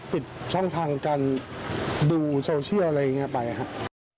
ปิดช่องทางการดูโซเชียลอะไรอย่างนี้ไปครับ